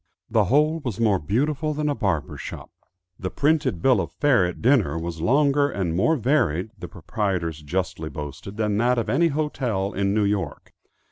The whole was more beautiful than a barber's shop. The printed bill of fare at dinner was longer and more varied, the proprietors justly boasted, than that of any hotel in New York.